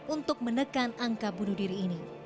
untuk menekan angka bunuh diri ini